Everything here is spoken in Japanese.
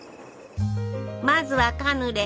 まずはカヌレ。